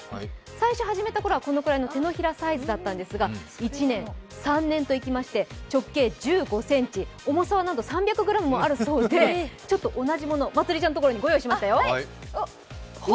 最初始めたころはこのくらいの手のひらサイズだったんですが、１年、３年といきまして直径１５ｃｍ重さはなんと、３００ｇもあるそうで、同じものをまつりちゃんのところにご用意しましたよ。